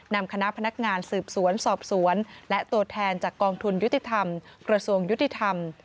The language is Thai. นำคณะพนักงานสืบสวนสอบสวนและตัวแทนจากกองทุนยุติธรรมกระทรวงยุติธรรม